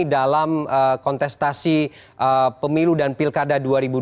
dalam kontestasi pemilu dan pilkada dua ribu dua puluh